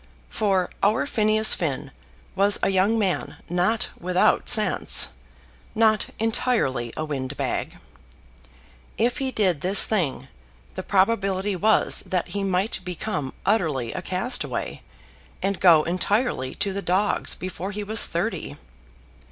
For our Phineas Finn was a young man not without sense, not entirely a windbag. If he did this thing the probability was that he might become utterly a castaway, and go entirely to the dogs before he was thirty.